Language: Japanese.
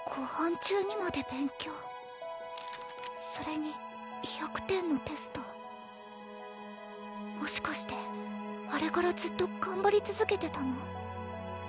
中にまで勉強それに１００点のテストもしかしてあれからずっと頑張り続けてたの？